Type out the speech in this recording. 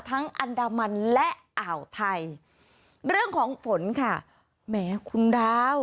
อันดามันและอ่าวไทยเรื่องของฝนค่ะแหมคุณดาว